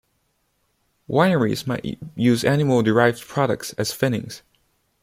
Wineries might use animal-derived products as finings.